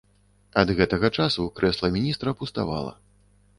Ад гэтага часу крэсла міністра пуставала.